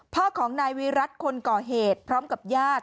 พ่อของนายวิรัติคนก่อเหตุพร้อมกับญาติ